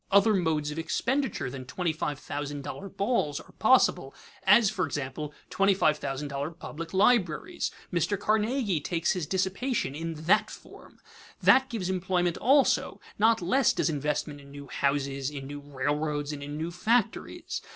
Other modes of expenditure than twenty five thousand dollar balls are possible, as, for example, twenty five thousand dollar public libraries. Mr. Carnegie takes his dissipation in that form. That gives employment also; not less does investment in new houses, in new railroads, and in new factories.